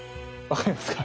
分かりますか？